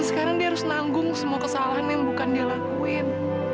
dan sekarang dia harus nanggung semua kesalahan yang bukan dia lakuin